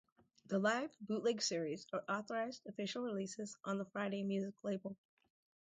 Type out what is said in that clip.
The Live Bootleg Series are authorized, official releases, on the Friday Music label.